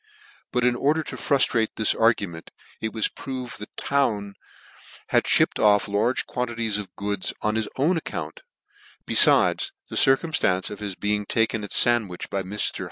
But in order to truftrattr this argument, it was proved that Town had (hipped off la ge quamkies of goods on his own account: btfides, the circum flancc of his being taken at Sandwich by Vr.